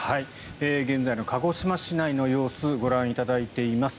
現在の鹿児島市内の様子をご覧いただいています。